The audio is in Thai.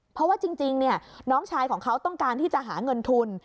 เพราะว่าจริงน้องชายของเขาต้องการที่จะหาเงินทุน